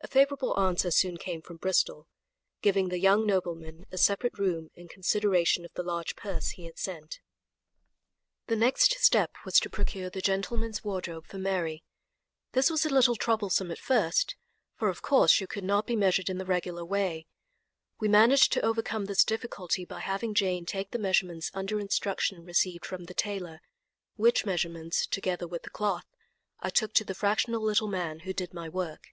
A favorable answer soon came from Bristol, giving the young nobleman a separate room in consideration of the large purse he had sent. The next step was to procure the gentleman's wardrobe for Mary. This was a little troublesome at first, for, of course, she could not be measured in the regular way. We managed to overcome this difficulty by having Jane take the measurements under instructions received from the tailor, which measurements, together with the cloth, I took to the fractional little man who did my work.